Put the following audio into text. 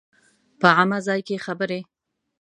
په عامه ځای کې خبرې